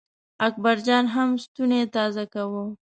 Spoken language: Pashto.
اکبر جان هم ستونی تازه کاوه.